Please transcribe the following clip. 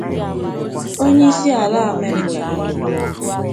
Onye isi ala Amerịka